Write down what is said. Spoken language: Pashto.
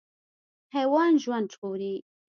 حیوان ژوند ژغوري.